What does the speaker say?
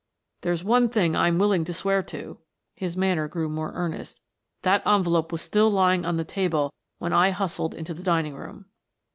There's one thing I am willing to swear to" his manner grew more earnest "that envelope was still lying on the table when I hustled into the dining room."